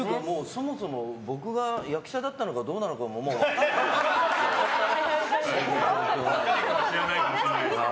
そもそも僕が役者だったのかどうなのかももう分かんなくなっちゃった。